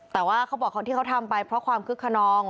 แต่ว่าเขาบอกที่เขาทำไปเพราะความคึกขนอง